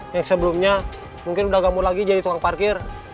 yang sebelumnya mungkin udah gamau lagi jadi tukang parkir